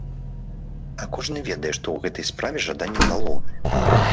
А кожны ведае, што ў гэтай справе жаданне галоўнае.